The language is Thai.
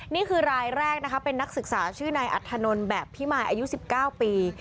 นี่คือรายแรกนะคะเป็นนักศึกษาชื่อนายอัธนนท์แบบพิมายอายุ๑๙ปี